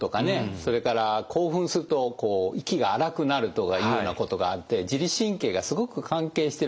それから興奮すると息が荒くなるとかいうことがあって自律神経がすごく関係してるわけですね。